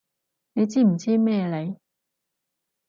你知唔知咩嚟？